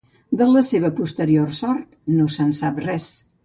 De la seva posterior sort no se'n sap res.